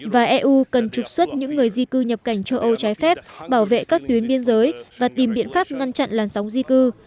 và eu cần trục xuất những người di cư nhập cảnh châu âu trái phép bảo vệ các tuyến biên giới và tìm biện pháp ngăn chặn làn sóng di cư